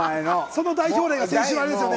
その代表例が先週のあれですよね？